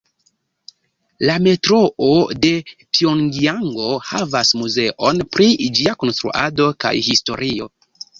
La Metroo de Pjongjango havas muzeon pri ĝia konstruado kaj historio.